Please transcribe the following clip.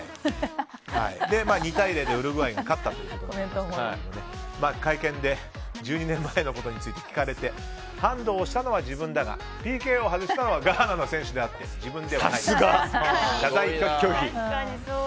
２対０でウルグアイが勝ったということですが会見で１２年前のことについて聞かれてハンドをしたのは自分だがＰＫを外したのはガーナの選手であって自分ではないと謝罪拒否。